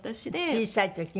小さい時。